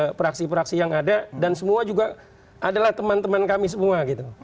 ke peraksi peraksi yang ada dan semua juga adalah teman teman kami semua gitu